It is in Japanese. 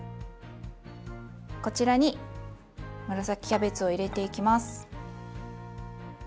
こちらに紫キャベツを入れていきます。